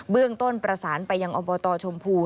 เรื่องต้นประสานไปยังอบตชมพู